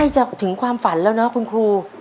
จะถึงความฝันแล้วเนอะคุณครู